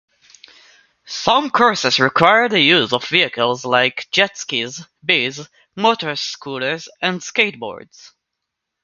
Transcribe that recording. Some courses require the use of vehicles like jet-skis, bees, motor scooters and skateboards.